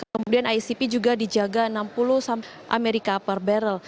kemudian icp juga dijaga rp enam puluh per dolar amerika per barrel